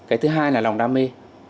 cái thứ hai là lòng đam mê